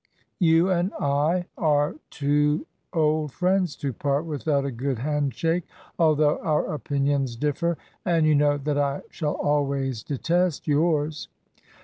You and I are too old friends to part without a good hand shake, although our opinions differ, and you know that I shall always detest yours."